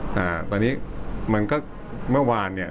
แต่ตอนนี้มันก็เมื่อวานเนี่ย